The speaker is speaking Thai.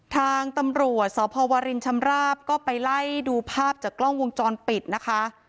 ทางตำรวจสพวรินชำราบก็ไปไล่ดูภาพจากกล้องวงจรปิดนะคะ